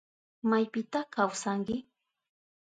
¿Maypita kawsanki?